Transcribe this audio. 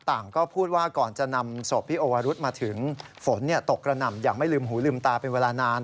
ก็พูดว่าก่อนจะนำศพพี่โอวรุธมาถึงฝนตกกระหน่ำอย่างไม่ลืมหูลืมตาเป็นเวลานาน